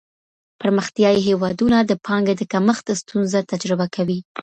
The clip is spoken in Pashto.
پرمختيايي هېوادونه د پانګي د کمښت ستونزه تجربه کوي.